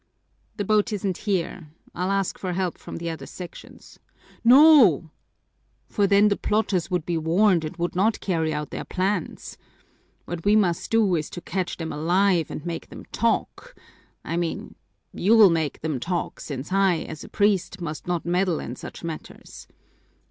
"The boat isn't here. I'll ask for help from the other sections." "No, for then the plotters would be warned and would not carry out their plans. What we must do is to catch them alive and make them talk I mean, you'll make them talk, since I, as a priest, must not meddle in such matters.